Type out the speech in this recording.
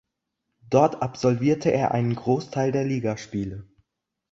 Dort absolvierte er einen Großteil der Ligaspiele.